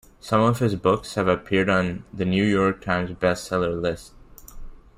Some of his books have appeared on The New York Times Best Seller list.